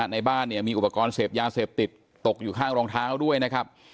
ในบ้านเนี่ยมีอุปกรณ์เสพยาเสพติดตกอยู่ข้างรองเท้าด้วยนะครับ